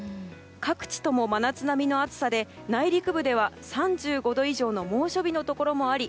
各地とも真夏並みの暑さで内陸部では３５度以上の猛暑日のところもあり